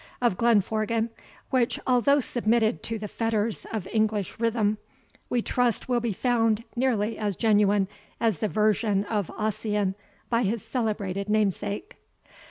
of Glenforgen, which, although submitted to the fetters of English rhythm, we trust will be found nearly as genuine as the version of Ossian by his celebrated namesake.